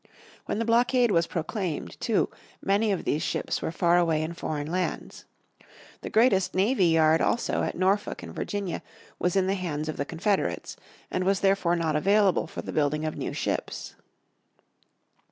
When the blockade was proclaimed, too, many of these ships were far away in foreign lands. The greatest navy yard, also, at Norfolk in Virginia, was in the hands of the Confederates, and was therefore not available for the building of new ships.